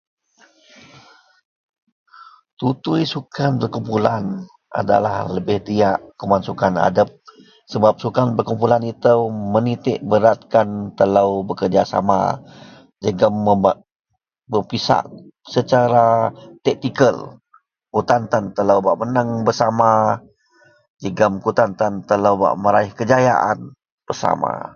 . Tutui sukan berkumpulan adalah lebeh diyak kuman sukan adep sebab sukan berkumpulan itou menitik beratkan telou bekerejasama jegem bem berpisak secara taktikal betan-tan telou bak meneng bersama jegem kutan-tan telou meraih kejayaan bersama.